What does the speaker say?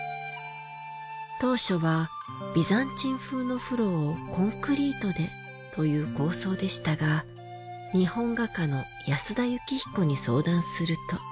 当初はビザンチン風の風呂をコンクリートでという構想でしたが日本画家の安田靫彦に相談すると。